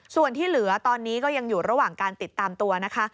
ส่วนที่เหลือตอนนี้ก็ยังอยู่ระหว่างการติดตามตัวนะคะ